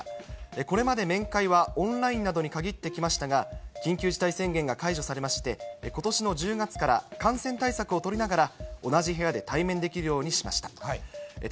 これまで面会はオンラインなどに限ってきましたが、緊急事態宣言が解除されまして、ことしの１０月から感染対策を取りながら、同じ部屋で対面できるようにしました。